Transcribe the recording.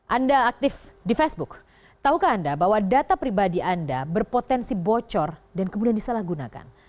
anda aktif di facebook tahukah anda bahwa data pribadi anda berpotensi bocor dan kemudian disalahgunakan